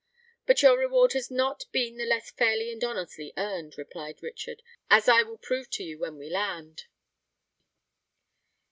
"But your reward has not been the less fairly and honestly earned," replied Richard; "as I will prove to you when we land."